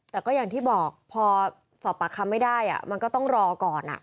แต่ก็อย่างที่บอกพอสอบปากคำไม่ได้มันก็ต้องรอก่อน